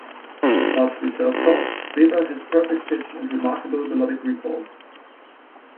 Largely self-taught, Weber has perfect pitch and remarkable melodic recall.